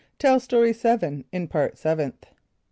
(Tell Story 7 in Part Seventh.)